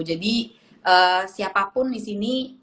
jadi siapapun disini